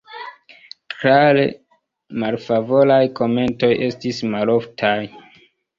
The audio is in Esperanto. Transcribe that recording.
Klare malfavoraj komentoj estis maloftaj.